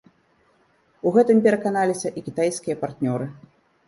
У гэтым пераканаліся і кітайскія партнёры.